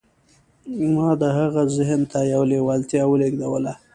ما د هغه ذهن ته يوه لېوالتیا ولېږدوله.